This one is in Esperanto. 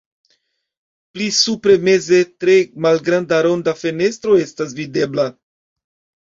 Pli supre meze tre malgranda ronda fenestro estas videbla.